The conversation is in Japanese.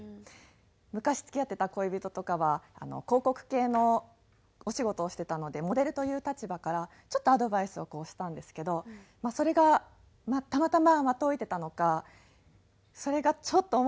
昔付き合ってた恋人とかは広告系のお仕事をしてたのでモデルという立場からちょっとアドバイスをしたんですけどそれがたまたま的を射てたのかそれがちょっと面白くなくて嫌がらせをされたり